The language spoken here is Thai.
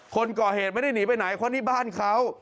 คนก่อเหตุไม่ได้หนีไปไหนเพราะนี่บ้านเขา